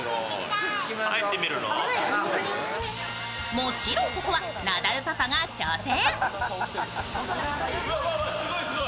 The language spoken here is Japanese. もちろんここはナダルパパが挑戦。